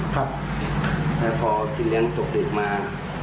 แต่พอคิดเลี้ยงตกดึกมา